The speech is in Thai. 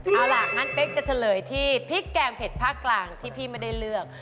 เอาล่ะงั้นเป๊กจะเฉลยที่พริกแกงเผ็ดภาคกลางที่พี่ไม่ได้เลือก